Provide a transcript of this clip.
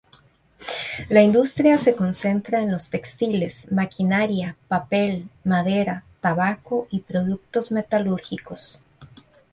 La industria se concentra en los textiles, maquinaria, papel, madera, tabaco y productos metalúrgicos.